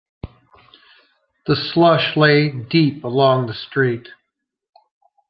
The slush lay deep along the street.